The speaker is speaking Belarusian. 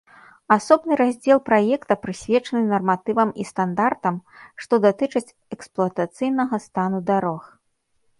Асобны раздзел праекта прысвечаны нарматывам і стандартам, што датычаць эксплуатацыйнага стану дарог.